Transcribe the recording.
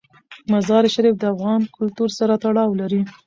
مزارشریف د افغان کلتور سره تړاو لري.